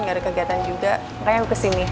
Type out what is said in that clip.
gak ada kegiatan juga makanya aku kesini